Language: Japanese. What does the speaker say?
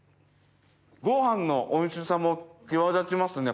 ご飯のおいしさも際立ちますね